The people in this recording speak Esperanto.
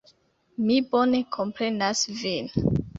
Mi bone komprenas vin.